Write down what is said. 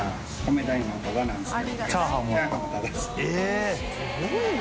すごいな。